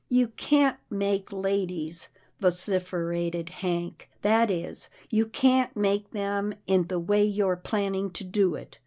" You can't make ladies," vociferated Hank, " that is, you can't make them in the way you're planning to do it.